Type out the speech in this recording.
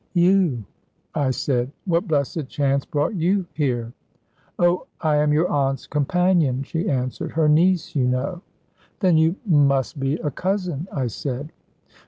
"You?" I said. "What blessed chance brought you here?" "Oh, I am your aunt's companion," she answered, "her niece, you know." "Then you must be a cousin," I said.